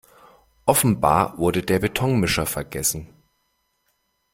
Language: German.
Offenbar wurde der Betonmischer vergessen.